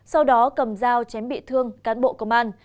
sau đó cầm dao chém bị thương cán bộ công an